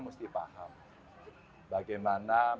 mesti paham bagaimana